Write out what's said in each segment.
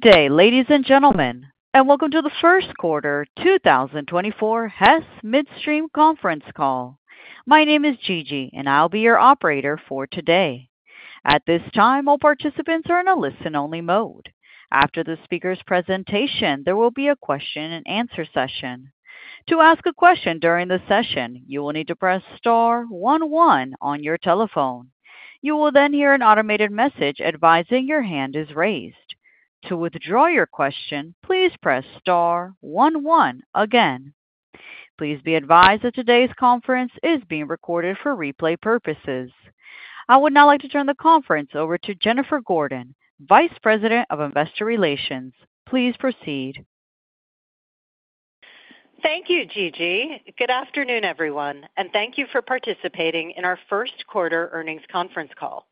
Good day, ladies and gentlemen, and welcome to the first quarter 2024 Hess Midstream conference call. My name is Gigi, and I'll be your operator for today. At this time, all participants are in a listen-only mode. After the speaker's presentation, there will be a question-and-answer session. To ask a question during the session, you will need to press star one one on your telephone. You will then hear an automated message advising your hand is raised. To withdraw your question, please press star one one again. Please be advised that today's conference is being recorded for replay purposes. I would now like to turn the conference over to Jennifer Gordon, Vice President of Investor Relations. Please proceed. Thank you, Gigi. Good afternoon, everyone, and thank you for participating in our first quarter earnings conference call.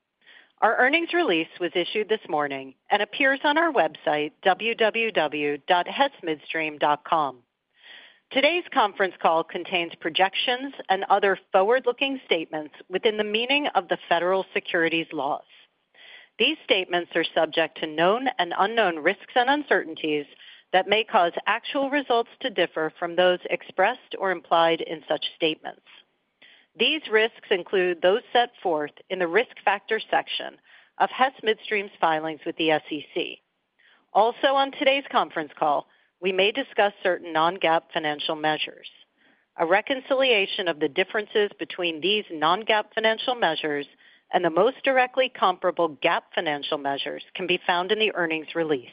Our earnings release was issued this morning and appears on our website, www.hessmidstream.com. Today's conference call contains projections and other forward-looking statements within the meaning of the federal securities laws. These statements are subject to known and unknown risks and uncertainties that may cause actual results to differ from those expressed or implied in such statements. These risks include those set forth in the Risk Factors section of Hess Midstream's filings with the SEC. Also, on today's conference call, we may discuss certain non-GAAP financial measures. A reconciliation of the differences between these non-GAAP financial measures and the most directly comparable GAAP financial measures can be found in the earnings release.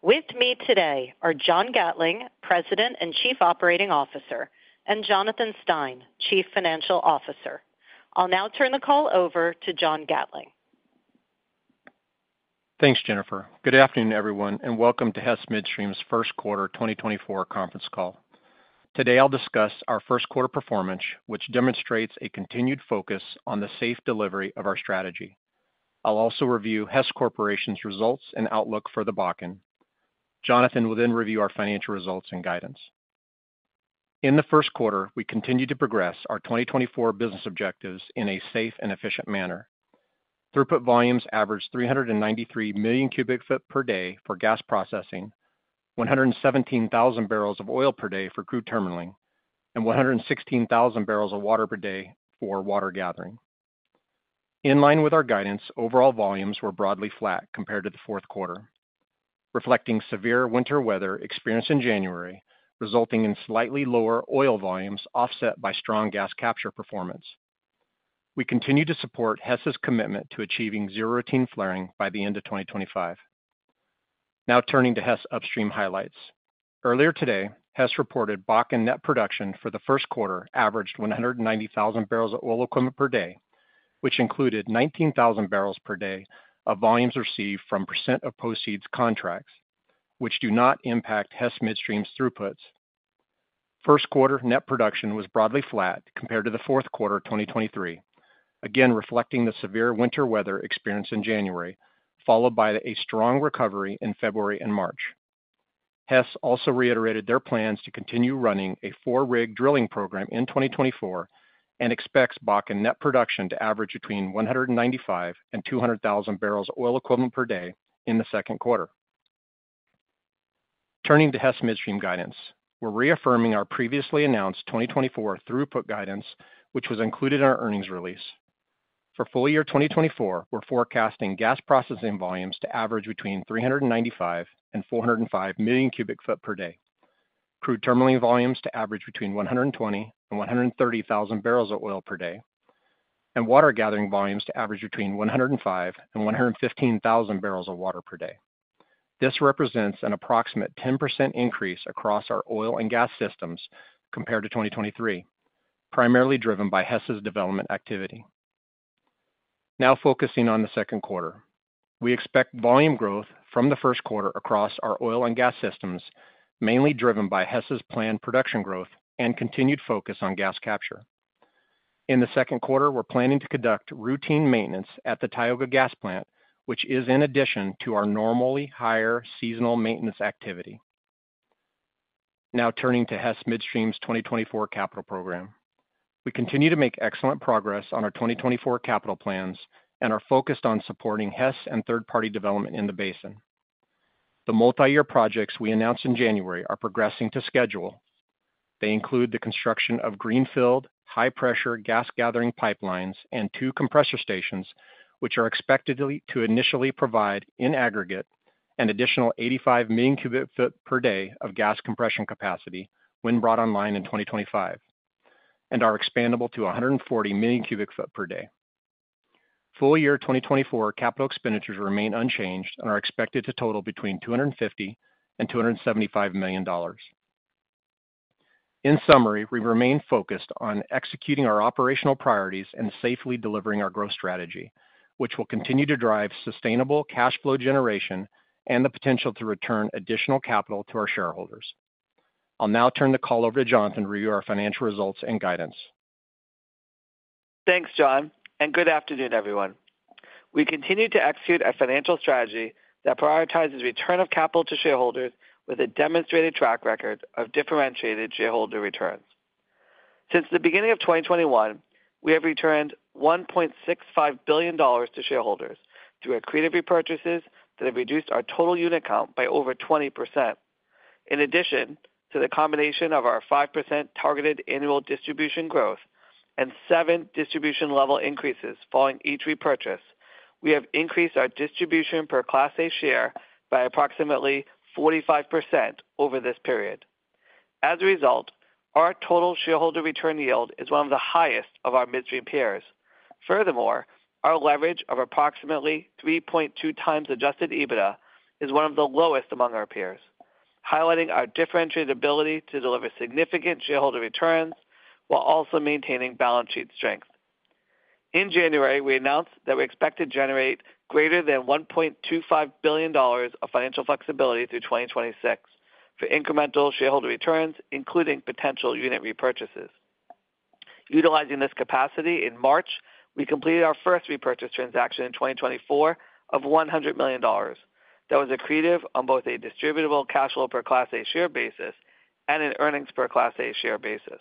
With me today are John Gatling, President and Chief Operating Officer, and Jonathan Stein, Chief Financial Officer. I'll now turn the call over to John Gatling. Thanks, Jennifer. Good afternoon, everyone, and welcome to Hess Midstream's first quarter 2024 conference call. Today, I'll discuss our first quarter performance, which demonstrates a continued focus on the safe delivery of our strategy. I'll also review Hess Corp's results and outlook for the Bakken. Jonathan will then review our financial results and guidance. In the first quarter, we continued to progress our 2024 business objectives in a safe and efficient manner. Throughput volumes averaged 393 million cubic feet per day for gas processing, 117,000 barrels of oil per day for crude terminaling, and 116,000 barrels of water per day for water gathering. In line with our guidance, overall volumes were broadly flat compared to the fourth quarter, reflecting severe winter weather experienced in January, resulting in slightly lower oil volumes, offset by strong gas capture performance. We continue to support Hess's commitment to achieving zero routine flaring by the end of 2025. Now turning to Hess Upstream highlights. Earlier today, Hess reported Bakken net production for the first quarter averaged 190,000 barrels of oil equivalent per day, which included 19,000 barrels per day of volumes received from percent of proceeds contracts, which do not impact Hess Midstream's throughputs. First quarter net production was broadly flat compared to the fourth quarter of 2023, again, reflecting the severe winter weather experienced in January, followed by a strong recovery in February and March. Hess also reiterated their plans to continue running a four-rig drilling program in 2024 and expects Bakken net production to average between 195,000 and 200,000 barrels of oil equivalent per day in the second quarter. Turning to Hess Midstream guidance. We're reaffirming our previously announced 2024 throughput guidance, which was included in our earnings release. For full year 2024, we're forecasting gas processing volumes to average between 395 million and 405 million cu ft per day, crude terminal volumes to average between 120,000 and 130,000 barrels of oil per day, and water gathering volumes to average between 105,000 and 115,000 barrels of water per day. This represents an approximate 10% increase across our oil and gas systems compared to 2023, primarily driven by Hess's development activity. Now focusing on the second quarter. We expect volume growth from the first quarter across our oil and gas systems, mainly driven by Hess's planned production growth and continued focus on gas capture. In the second quarter, we're planning to conduct routine maintenance at the Tioga Gas Plant, which is in addition to our normally higher seasonal maintenance activity. Now turning to Hess Midstream's 2024 capital program. We continue to make excellent progress on our 2024 capital plans and are focused on supporting Hess and third-party development in the basin. The multiyear projects we announced in January are progressing to schedule. They include the construction of greenfield, high-pressure gas gathering pipelines and two compressor stations, which are expected to initially provide, in aggregate, an additional 85 million cu ft per day of gas compression capacity when brought online in 2025 and are expandable to 140 million cu ft per day. Full year 2024 capital expenditures remain unchanged and are expected to total between $250 million and $275 million. In summary, we remain focused on executing our operational priorities and safely delivering our growth strategy, which will continue to drive sustainable cash flow generation and the potential to return additional capital to our shareholders. I'll now turn the call over to Jonathan to review our financial results and guidance. Thanks, John, and good afternoon, everyone. We continue to execute a financial strategy that prioritizes return of capital to shareholders with a demonstrated track record of differentiated shareholder returns.... Since the beginning of 2021, we have returned $1.65 billion to shareholders through accretive repurchases that have reduced our total unit count by over 20%. In addition to the combination of our 5% targeted annual distribution growth and seven distribution level increases following each repurchase, we have increased our distribution per Class A Share by approximately 45% over this period. As a result, our total shareholder return yield is one of the highest of our midstream peers. Furthermore, our leverage of approximately 3.2x adjusted EBITDA is one of the lowest among our peers, highlighting our differentiated ability to deliver significant shareholder returns while also maintaining balance sheet strength. In January, we announced that we expect to generate greater than $1.25 billion of financial flexibility through 2026 for incremental shareholder returns, including potential unit repurchases. Utilizing this capacity, in March, we completed our first repurchase transaction in 2024 of $100 million. That was accretive on both a distributable cash flow per Class A share basis and an earnings per Class A share basis.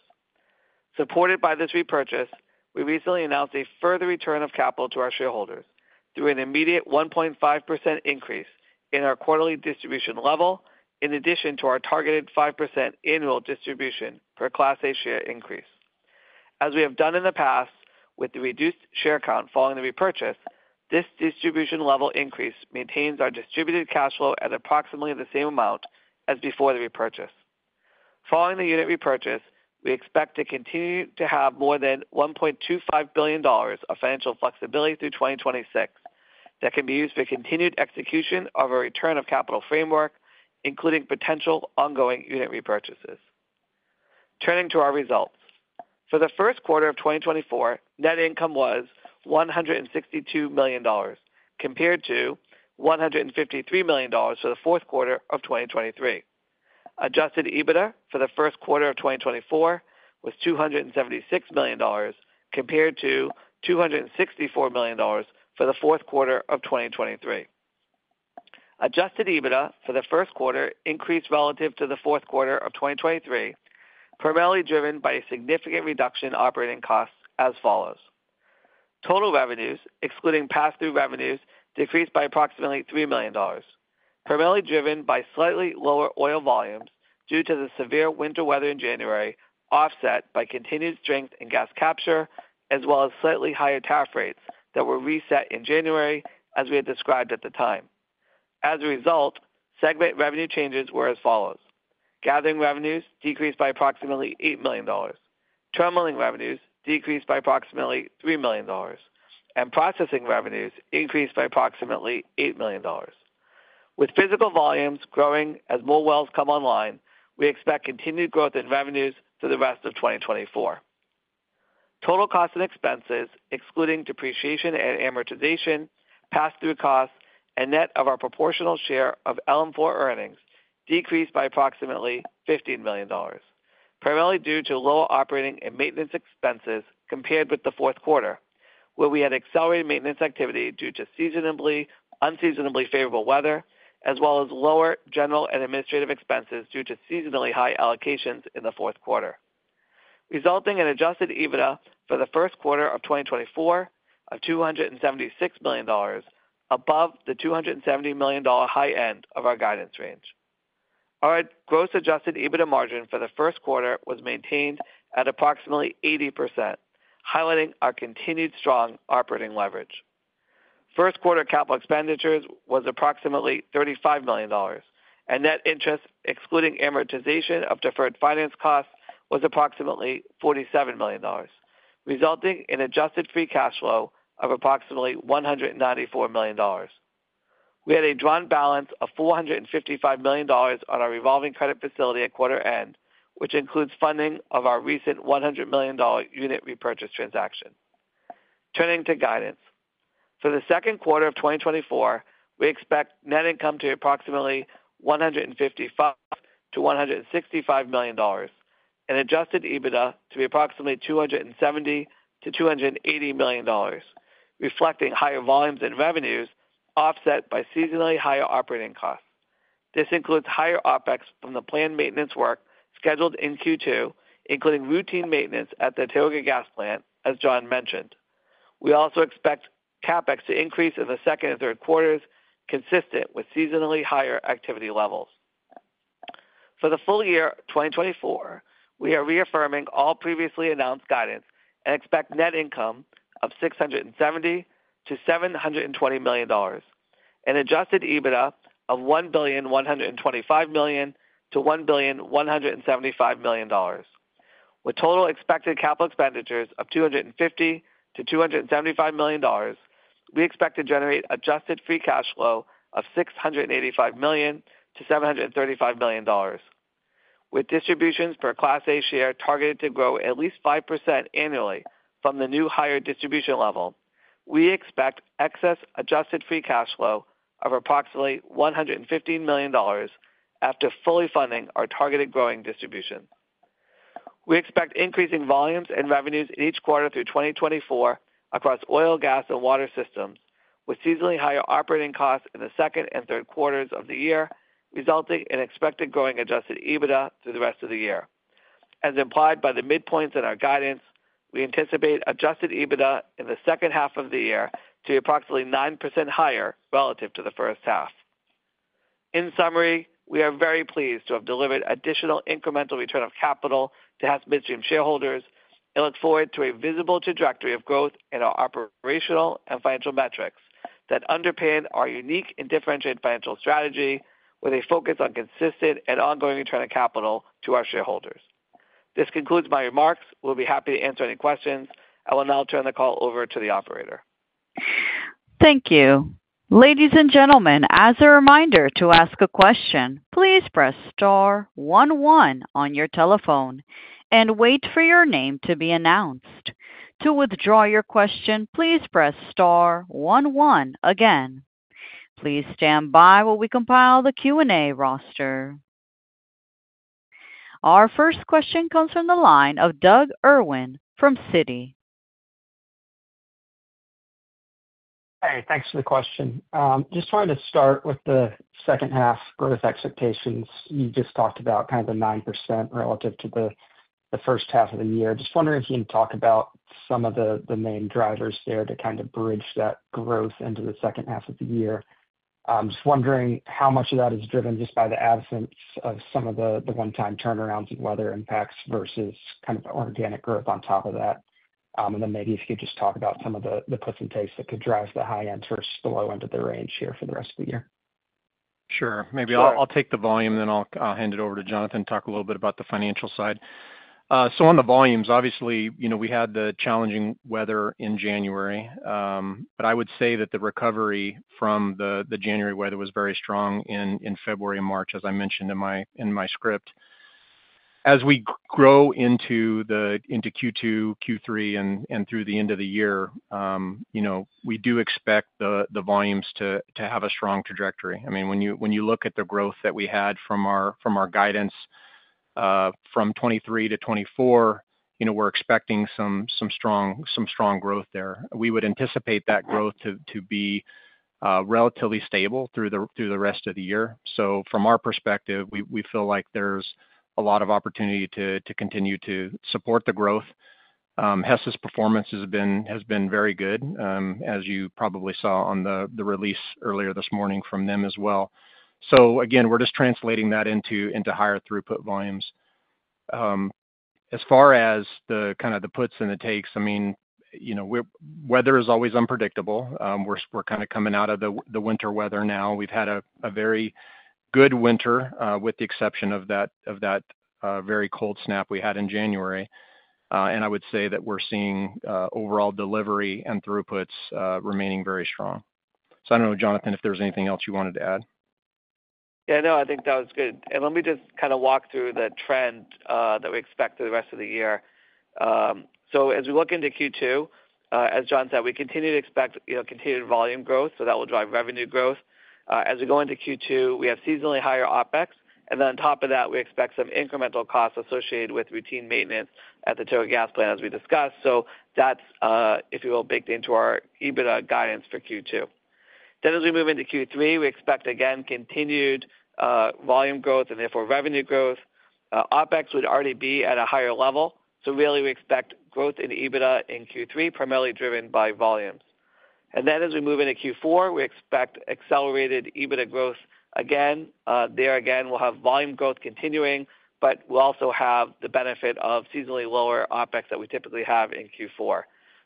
Supported by this repurchase, we recently announced a further return of capital to our shareholders through an immediate 1.5% increase in our quarterly distribution level, in addition to our targeted 5% annual distribution per Class A share increase. As we have done in the past, with the reduced share count following the repurchase, this distribution level increase maintains our distributable cash flow at approximately the same amount as before the repurchase. Following the unit repurchase, we expect to continue to have more than $1.25 billion of financial flexibility through 2026 that can be used for continued execution of our return of capital framework, including potential ongoing unit repurchases. Turning to our results. For the first quarter of 2024, net income was $162 million, compared to $153 million for the fourth quarter of 2023. Adjusted EBITDA for the first quarter of 2024 was $276 million, compared to $264 million for the fourth quarter of 2023. Adjusted EBITDA for the first quarter increased relative to the fourth quarter of 2023, primarily driven by a significant reduction in operating costs as follows: Total revenues, excluding pass-through revenues, decreased by approximately $3 million, primarily driven by slightly lower oil volumes due to the severe winter weather in January, offset by continued strength in gas capture, as well as slightly higher tariff rates that were reset in January, as we had described at the time. As a result, segment revenue changes were as follows: Gathering revenues decreased by approximately $8 million, terminaling revenues decreased by approximately $3 million, and processing revenues increased by approximately $8 million. With physical volumes growing as more wells come online, we expect continued growth in revenues through the rest of 2024. Total costs and expenses, excluding depreciation and amortization, pass-through costs, and net of our proportional share of LM4 earnings, decreased by approximately $15 million, primarily due to lower operating and maintenance expenses compared with the fourth quarter, where we had accelerated maintenance activity due to seasonably--unseasonably favorable weather, as well as lower general and administrative expenses due to seasonally high allocations in the fourth quarter, resulting in adjusted EBITDA for the first quarter of 2024 of $276 million, above the $270 million high end of our guidance range. Our gross adjusted EBITDA margin for the first quarter was maintained at approximately 80%, highlighting our continued strong operating leverage. First quarter capital expenditures was approximately $35 million, and net interest, excluding amortization of deferred finance costs, was approximately $47 million, resulting in adjusted free cash flow of approximately $194 million. We had a drawn balance of $455 million on our revolving credit facility at quarter end, which includes funding of our recent $100 million unit repurchase transaction. Turning to guidance. For the second quarter of 2024, we expect net income to be approximately $155 million-$165 million and adjusted EBITDA to be approximately $270 million-$280 million, reflecting higher volumes in revenues, offset by seasonally higher operating costs. This includes higher OpEx from the planned maintenance work scheduled in Q2, including routine maintenance at the Tioga Gas Plant, as John mentioned. We also expect CapEx to increase in the second and third quarters, consistent with seasonally higher activity levels. For the full year 2024, we are reaffirming all previously announced guidance and expect net income of $670 million-$720 million, an Adjusted EBITDA of $1.125 billion-$1.175 billion. With total expected capital expenditures of $250 million-$275 million, we expect to generate adjusted free cash flow of $685 million-$735 million. With distributions per Class A share targeted to grow at least 5% annually from the new higher distribution level, we expect excess adjusted free cash flow of approximately $115 million after fully funding our targeted growing distribution. We expect increasing volumes and revenues in each quarter through 2024 across oil, gas, and water systems, with seasonally higher operating costs in the second and third quarters of the year, resulting in expected growing adjusted EBITDA through the rest of the year. As implied by the midpoints in our guidance, we anticipate adjusted EBITDA in the second half of the year to be approximately 9% higher relative to the first half. In summary, we are very pleased to have delivered additional incremental return of capital to Hess Midstream shareholders and look forward to a visible trajectory of growth in our operational and financial metrics that underpin our unique and differentiated financial strategy, with a focus on consistent and ongoing return of capital to our shareholders. This concludes my remarks. We'll be happy to answer any questions. I will now turn the call over to the operator. Thank you. Ladies and gentlemen, as a reminder to ask a question, please press star one one on your telephone and wait for your name to be announced. To withdraw your question, please press star one one again. Please stand by while we compile the Q&A roster. Our first question comes from the line of Doug Irwin from Citi. Hey, thanks for the question. Just wanted to start with the second half growth expectations. You just talked about kind of the 9% relative to the first half of the year. Just wondering if you can talk about some of the main drivers there to kind of bridge that growth into the second half of the year. Just wondering how much of that is driven just by the absence of some of the one-time turnarounds and weather impacts versus kind of organic growth on top of that? And then maybe if you could just talk about some of the puts and takes that could drive the high end versus the low end of the range here for the rest of the year? Sure. Maybe I'll take the volume, then I'll hand it over to Jonathan to talk a little bit about the financial side. So on the volumes, obviously, you know, we had the challenging weather in January, but I would say that the recovery from the January weather was very strong in February and March, as I mentioned in my script. As we grow into Q2, Q3, and through the end of the year, you know, we do expect the volumes to have a strong trajectory. I mean, when you look at the growth that we had from our guidance, from 2023 to 2024, you know, we're expecting some strong growth there. We would anticipate that growth to be relatively stable through the rest of the year. So from our perspective, we feel like there's a lot of opportunity to continue to support the growth. Hess's performance has been very good, as you probably saw on the release earlier this morning from them as well. So again, we're just translating that into higher throughput volumes. As far as the kind of the puts and the takes, I mean, you know, weather is always unpredictable. We're kind of coming out of the winter weather now. We've had a very good winter, with the exception of that very cold snap we had in January. And I would say that we're seeing overall delivery and throughputs remaining very strong. I don't know, Jonathan, if there was anything else you wanted to add? Yeah, no, I think that was good. Let me just kind of walk through the trend that we expect for the rest of the year. So as we look into Q2, as John said, we continue to expect, you know, continued volume growth, so that will drive revenue growth. As we go into Q2, we have seasonally higher OpEx, and then on top of that, we expect some incremental costs associated with routine maintenance at the Tioga Gas Plant, as we discussed. So that's, if you will, baked into our EBITDA guidance for Q2. Then as we move into Q3, we expect, again, continued volume growth and therefore revenue growth. OpEx would already be at a higher level, so really, we expect growth in EBITDA in Q3, primarily driven by volumes. And then as we move into Q4, we expect accelerated EBITDA growth again. There again, we'll have volume growth continuing, but we'll also have the benefit of seasonally lower OpEx that we typically have in Q4.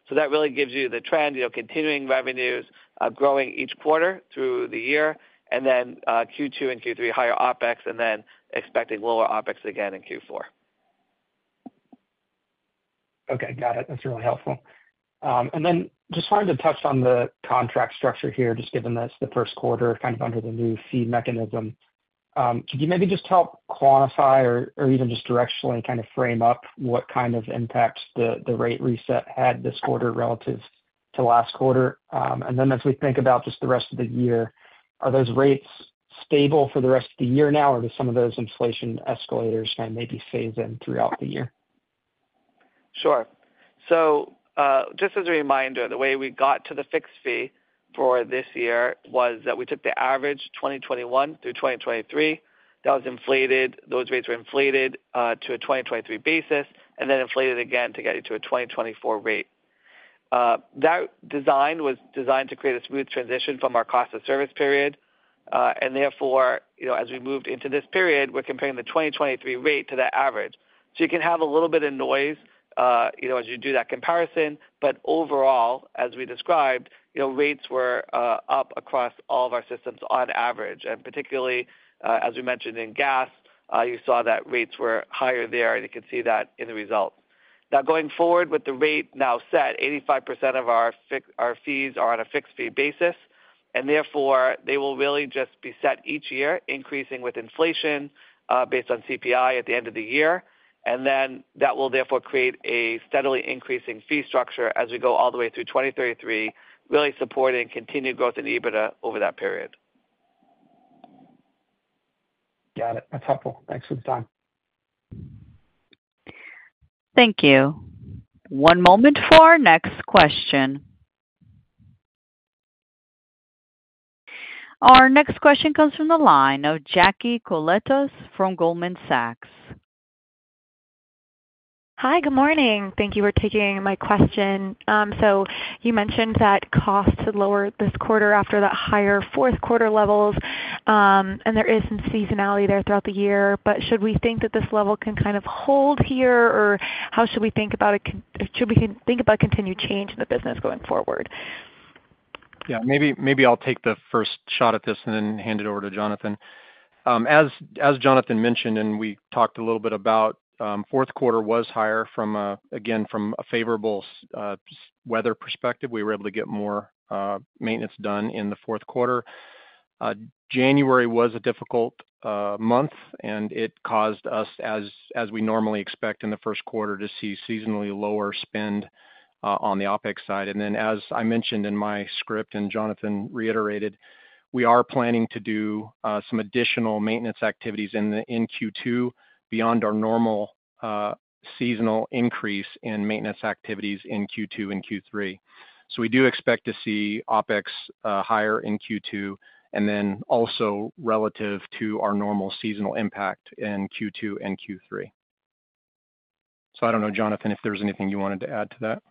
So that really gives you the trend, you know, continuing revenues, growing each quarter through the year, and then, Q2 and Q3, higher OpEx, and then expecting lower OpEx again in Q4. Okay, got it. That's really helpful. And then just wanted to touch on the contract structure here, just given that it's the first quarter, kind of under the new fee mechanism. Could you maybe just help quantify or even just directionally kind of frame up what kind of impacts the rate reset had this quarter relative to last quarter? And then as we think about just the rest of the year, are those rates stable for the rest of the year now, or do some of those inflation escalators kind of maybe phase in throughout the year? Sure. So, just as a reminder, the way we got to the fixed fee for this year was that we took the average 2021 through 2023, that was inflated, those rates were inflated, to a 2023 basis, and then inflated again to get it to a 2024 rate. That design was designed to create a smooth transition from our cost of service period, and therefore, you know, as we moved into this period, we're comparing the 2023 rate to that average. So you can have a little bit of noise, you know, as you do that comparison, but overall, as we described, you know, rates were up across all of our systems on average, and particularly, as we mentioned in gas, you saw that rates were higher there, and you can see that in the results. Now, going forward with the rate now set, 85% of our fixed fees are on a fixed fee basis, and therefore they will really just be set each year, increasing with inflation, based on CPI at the end of the year. And then that will therefore create a steadily increasing fee structure as we go all the way through 2033, really supporting continued growth in EBITDA over that period.... Got it. That's helpful. Thanks for the time. Thank you. One moment for our next question. Our next question comes from the line of Jackie Koletas from Goldman Sachs. Hi, good morning. Thank you for taking my question. So you mentioned that costs had lowered this quarter after that higher fourth quarter levels, and there is some seasonality there throughout the year. But should we think that this level can kind of hold here, or how should we think about it? Should we think about continued change in the business going forward? Yeah, maybe, maybe I'll take the first shot at this and then hand it over to Jonathan. As Jonathan mentioned, and we talked a little bit about, fourth quarter was higher from, again, from a favorable weather perspective. We were able to get more maintenance done in the fourth quarter. January was a difficult month, and it caused us, as we normally expect in the first quarter, to see seasonally lower spend on the OpEx side. And then, as I mentioned in my script, and Jonathan reiterated, we are planning to do some additional maintenance activities in Q2 beyond our normal seasonal increase in maintenance activities in Q2 and Q3. So we do expect to see OpEx higher in Q2, and then also relative to our normal seasonal impact in Q2 and Q3. I don't know, Jonathan, if there's anything you wanted to add to that?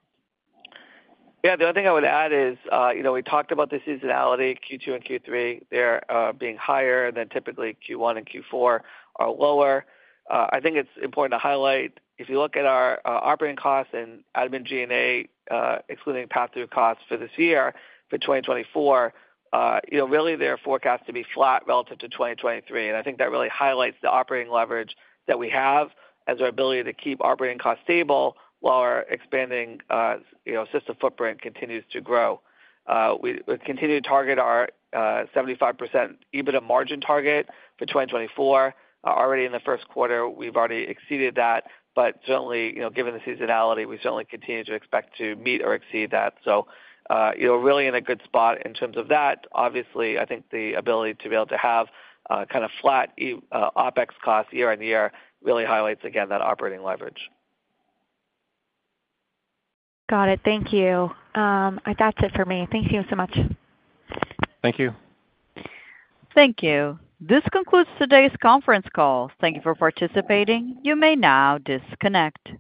Yeah, the only thing I would add is, you know, we talked about the seasonality, Q2 and Q3, they're being higher than typically Q1 and Q4 are lower. I think it's important to highlight, if you look at our operating costs and admin G&A, excluding pass-through costs for this year, for 2024, you know, really, they're forecast to be flat relative to 2023. And I think that really highlights the operating leverage that we have as our ability to keep operating costs stable while our expanding, you know, system footprint continues to grow. We continue to target our 75% EBITDA margin target for 2024. Already in the first quarter, we've already exceeded that, but certainly, you know, given the seasonality, we certainly continue to expect to meet or exceed that. So, you know, really in a good spot in terms of that. Obviously, I think the ability to be able to have kind of flat OpEx costs year-over-year really highlights again that operating leverage. Got it. Thank you. That's it for me. Thank you so much. Thank you. Thank you. This concludes today's conference call. Thank you for participating. You may now disconnect.